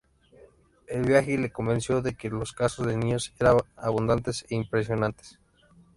El viaje le convenció de que los casos de niños eran abundantes e impresionantes.